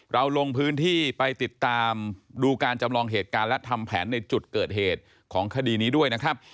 เราลงพื้นที่ไปติดตามดูการจำลองเหตุการณ์และทำแผนในจุดเกิดเหตุของคดีนี้ด้วยนะครับ